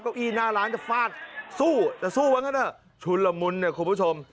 เก้าอี้หน้าร้านจะฟาดสู้แต่สู้ว่างั้นเถอะชุนละมุนเนี่ยคุณผู้ชม